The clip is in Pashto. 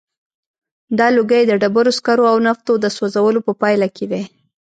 دا لوګی د ډبرو سکرو او نفتو د سوځولو په پایله کې دی.